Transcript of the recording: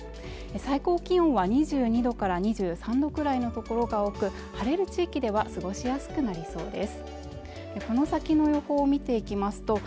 最高気温は２２度から２３度くらいの所が多く晴れる地域では過ごしやすくなりそうです